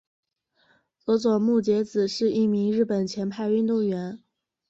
佐佐木节子是一名日本前排球运动员。